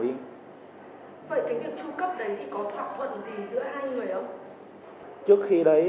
vậy cái việc tru cấp đấy